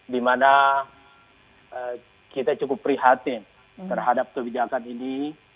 di mana kita cukup prihatin terhadap kebijakan ini